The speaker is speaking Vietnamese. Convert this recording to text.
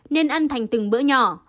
nên ăn thành từng bữa nhỏ